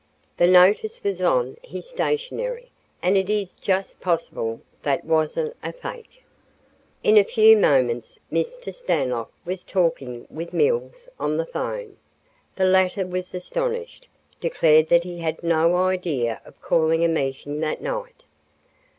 The notice was on his stationery and it is just possible that wasn't a fake." In a few moments Mr. Stanlock was talking with Mills on the phone. The latter was astonished, declared that he had no idea of calling a meeting that night.